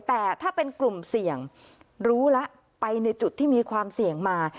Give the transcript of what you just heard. แต่ถ้าเป็นกลุ่มเสี่ยงรู้แล้วไปในจุดที่มีความเสี่ยงมา